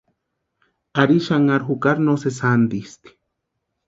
Ari xanharhu jukari no sési jantisti.